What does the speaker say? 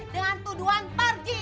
dengan tuduhan perjinahan